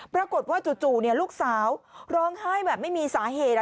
ปรากฏว่าจู่ลูกสาวร้องไห้แบบไม่มีสาเหตุ